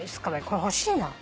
これ欲しいな。